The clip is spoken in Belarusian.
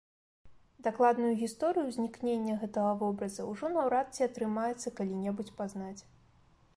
Дакладную гісторыю ўзнікнення гэтага вобраза ўжо наўрад ці атрымаецца калі-небудзь пазнаць.